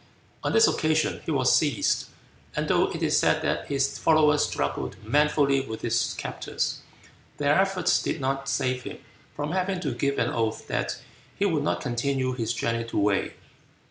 On this occasion he was seized, and though it is said that his followers struggled manfully with his captors, their efforts did not save him from having to give an oath that he would not continue his journey to Wei.